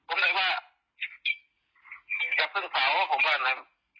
ผมเลยว่าอยากต้องเผา